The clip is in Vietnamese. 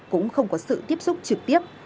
cũng không có sự tiếp xúc trực tiếp